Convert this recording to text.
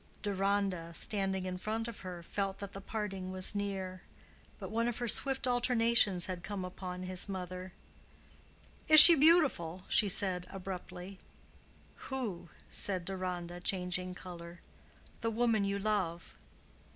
Deronda, standing in front of her, felt that the parting was near. But one of her swift alternations had come upon his mother. "Is she beautiful?" she said, abruptly. "Who?" said Deronda, changing color. "The woman you love."